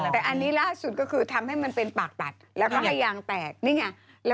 แต่อันนี้ล่าสุดก็คือทำให้มันเป็นปากตัดแล้วก็ให้ยางแตกนี่ไง